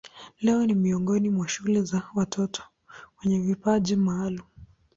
Leo ni miongoni mwa shule za watoto wenye vipaji maalumu.